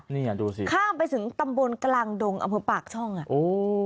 นี่ดูสิข้ามไปถึงตำบลกลางดงอำเภอปากช่องอ่ะโอ้